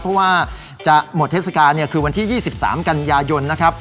เพราะว่าจะหมดเทศกาลคือวันที่๒๓กันยายนนะครับ